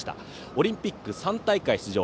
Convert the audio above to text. オリンピック３大会出場